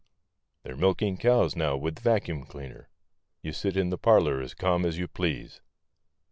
They're milking cows now with a vacuum cleaner; you sit in the parlor as calm as you please.